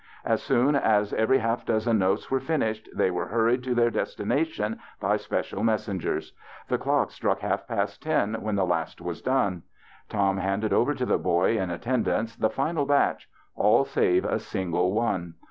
As soon as every half dozen notes were finished they were hurried to their destination by special messengers. The clock struck half past ten when the last was done. Tom handed over to the boy in attendance the final batch, all save a single one.